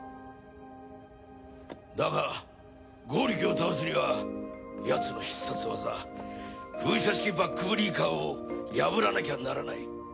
だが剛力を倒すにはやつの必殺技風車式バックブリーカーを破らなきゃならない。